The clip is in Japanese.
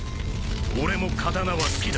俺も刀は好きだ。